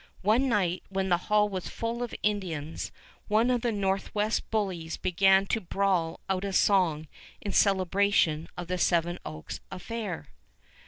One night, when the hall was full of Indians, one of the Northwest bullies began to brawl out a song in celebration of the Seven Oaks affair.